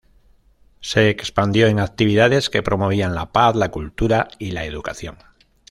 Se expandió en actividades que promovían la paz, la cultura y la educación.